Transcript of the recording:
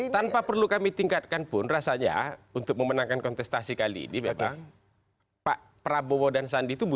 tanpa perlu kami tingkatkan pun rasanya untuk memenangkan kontestasi kali ini